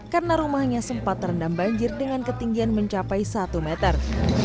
karena rumahnya sempat terendam banjir dengan ketinggian mencapai satu meter